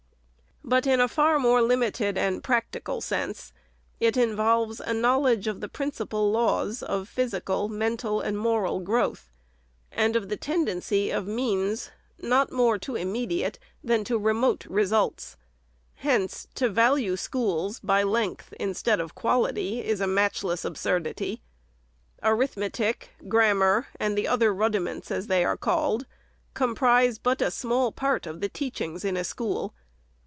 But in a far more limited and practical sense, it involves a knowledge of the principal laws of physical, mental, and moral growth, and of the tendency of means, not more to im mediate than to remote results. Hence to value schools, by length instead of quality, is a matchless absurdity. Arithmetic, grammar, and the other rudiments, as they are called, comprise but a small part of the teachings in a school.